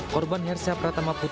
korban hersiap ratama pulang